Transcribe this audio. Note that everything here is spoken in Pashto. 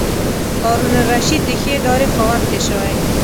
هارون الرشید د ښې ادارې خاوند تېر شوی.